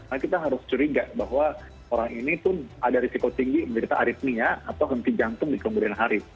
karena kita harus curiga bahwa orang ini pun ada risiko tinggi menderita aritmia atau henti jantung di kemudian hari